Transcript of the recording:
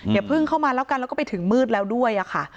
อย่าเพิ่งเข้ามาแล้วกันแล้วก็ไปถึงมืดแล้วด้วยค่ะ